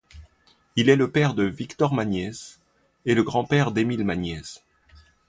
Il est le père de Victor Magniez et le grand-père d’Émile Magniez.